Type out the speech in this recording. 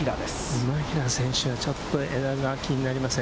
今平選手は、ちょっと枝が気になりますね。